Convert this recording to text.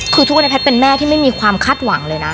คือทุกวันนี้แพทย์เป็นแม่ที่ไม่มีความคาดหวังเลยนะ